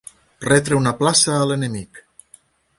Retre una plaça a l'enemic.